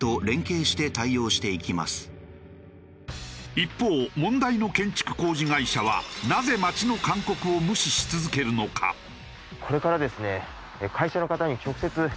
一方問題の建築工事会社はなぜ町の勧告を無視し続けるのか？